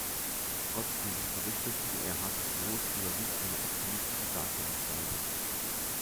Trotz dieses Berichtes über ihr hartes Los überwiegt eine optimistische Darstellungsweise.